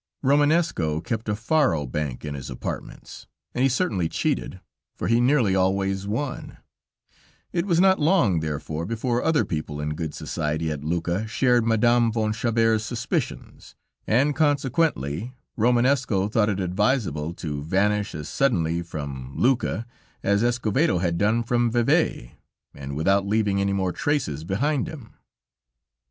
Romanesco kept a faro bank in his apartments, and he certainly cheated, for he nearly always won; it was not long, therefore, before other people in good society at Lucca shared Madame von Chabert's suspicions, and consequently Romanesco thought it advisable to vanish as suddenly from Lucca as Escovedo had done from Vevey, and without leaving any more traces behind him.